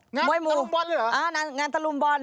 งานตะลุมบอลหรือเหรอมวยหมู่อ๋องานตะลุมบอล